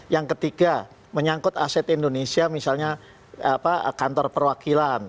yang ketiga menyangkut aset indonesia misalnya kantor perwakilan